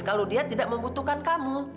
kalau dia tidak membutuhkan kamu